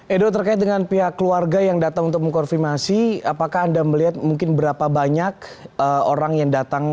edo terkait dengan pihak keluarga yang datang untuk mengkonfirmasi apakah anda melihat mungkin berapa banyak orang yang datang